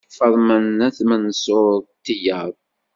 Faḍma n At Mensur d tiyaḍ.